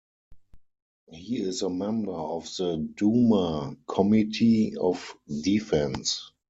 He is a member of the Duma committee of defense.